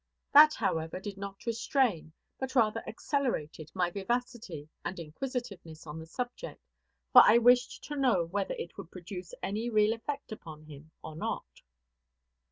That, however, did not restrain, but rather accelerated, my vivacity and inquisitiveness on the subject; for I wished to know whether it would produce any real effect upon him or not.